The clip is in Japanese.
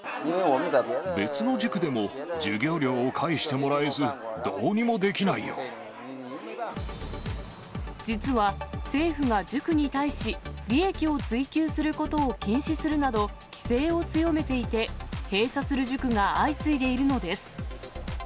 別の塾でも授業料を返しても実は、政府が塾に対し、利益を追求することを禁止するなど、規制を強めていて、閉鎖する塾が相次いでいるのです。